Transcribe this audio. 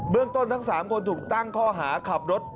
เรื่องต้นทั้ง๓คนถูกตั้งข้อหาขับรถ